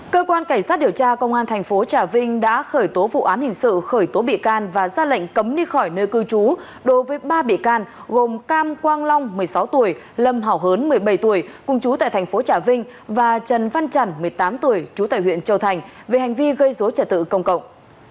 cơ quan cảnh sát điều tra công an thành phố trà vinh đã khởi tố vụ án hình sự khởi tố bị can và ra lệnh cấm đi khỏi nơi cư trú đối với ba bị can gồm cam quang long một mươi sáu tuổi lâm hảo hớn một mươi bảy tuổi cùng chú tại thành phố trà vinh và trần văn chẳng một mươi tám tuổi trú tại huyện châu thành về hành vi gây dối trật tự công cộng